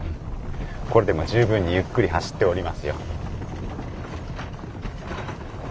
これでも十分にゆっくり走っておりますよ。